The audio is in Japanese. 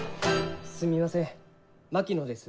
・すみません槙野です。